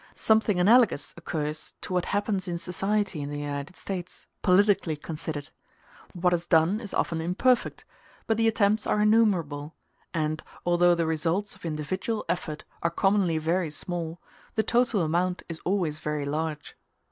Something analogous occurs to what happens in society in the United States, politically considered. What is done is often imperfect, but the attempts are innumerable; and, although the results of individual effort are commonly very small, the total amount is always very large.